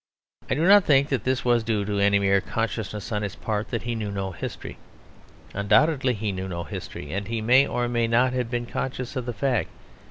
I do not think that this was due to any mere consciousness on his part that he knew no history. Undoubtedly he knew no history; and he may or may not have been conscious of the fact.